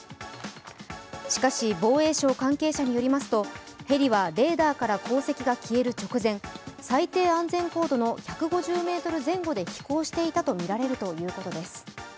しかし、防衛省関係者によりますとヘリはレーダーから航跡が消える直前最低安全高度の１５０ｍ前後で飛行していたとみられるということです。